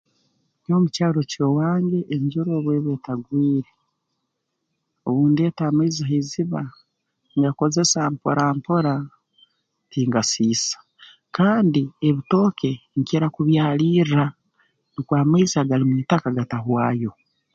Nyowe mu kyaro ky'owange enjura obu eba etagwire obu ndeeta amaizi ha iziba nyekozesa mpora mpora tingasiisa kandi ebitooke nkira kubyalirra nukwo amaizi agali mu itaka gatahwayo